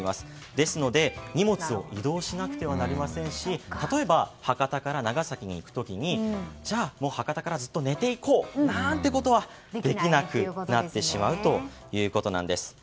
ですので、荷物を移動しなくてはなりませんし例えば、博多から長崎に行く時にじゃあ博多からずっと寝ていこうなんてことはできなくなってしまうということなんです。